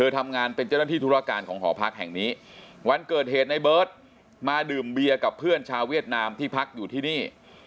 วันเกิดเหตุในเบิร์ตมาดื่มเบียร์กับเพื่อนชาวเวียดนามที่พักอยู่ที่นี่